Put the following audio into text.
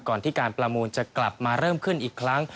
ก่อนที่การประมูลจะกลับมาเริ่มขึ้นอีกครั้ง